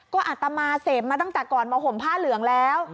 ก็อัตมาเสพมาตั้งแต่ก่อนมาห่มผ้าเหลืองแล้ว